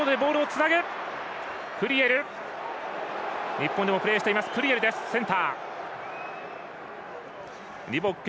日本でもプレーしているクリエルです、センター。